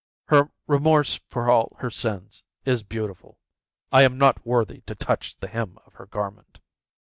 Her remorse for all her sins is beautiful. I am not worthy to touch the hem of her garment."